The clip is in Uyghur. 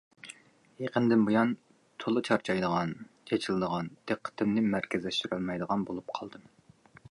يېقىندىن بۇيان تولا چارچايدىغان، چېچىلىدىغان، دىققىتىمنى مەركەزلەشتۈرەلمەيدىغان بولۇپ قالدىم.